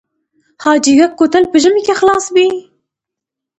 حاجي ګک کوتل په ژمي کې خلاص وي؟